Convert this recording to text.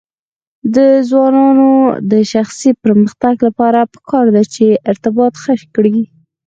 د ځوانانو د شخصي پرمختګ لپاره پکار ده چې ارتباط ښه کړي.